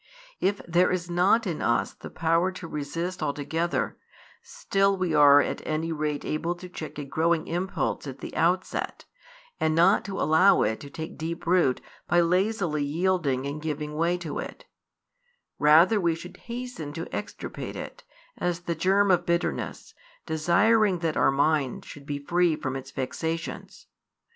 If there is 2 not in us the power to resist altogether, still we are at any rate able to check a growing impulse at the outset, and not to allow it to take deep root by lazily yielding and giving way to it: rather we should hasten to extirpate it, as the germ of bitterness, desiring that our minds should be free from its vexations.